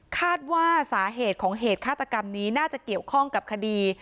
คาดว่าสาเหตุของเหตุฆาตกรรมนี้น่าจะเกี่ยวข้องกับคดี